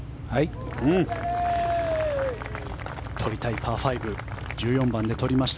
取りたいパー５１４番で取りました。